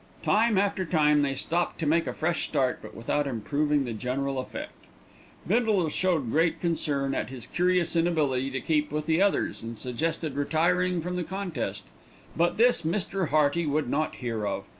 Time after time they stopped to make a fresh start, but without improving the general effect. Bindle showed great concern at his curious inability to keep with the others, and suggested retiring from the contest; but this Mr. Hearty would not hear of.